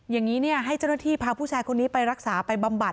อย่างนี้ให้เจ้าหน้าที่พาผู้ชายคนนี้ไปรักษาไปบำบัด